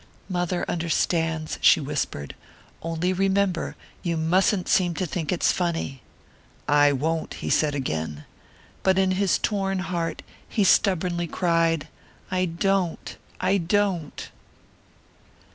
"Mother understands," she whispered. "Only remember, you mustn't seem to think it's funny." "I won't," he said again. But in his torn heart he stubbornly cried, "I don't, I don't!"